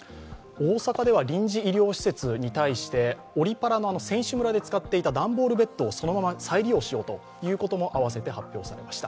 大阪では臨時医療施設に対してオリパラの選手村で使っていた段ボールベッドをそのまま再利用しようということも併せて発表されました。